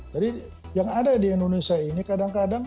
jadi yang ada di indonesia ini kadang kadang